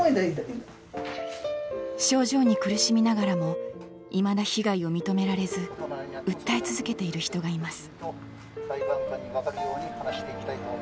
症状に苦しみながらもいまだ被害を認められず訴え続けている人がいます。